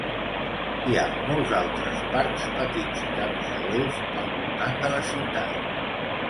Hi ha molts altres parcs petits i camps de golf al voltant de la ciutat.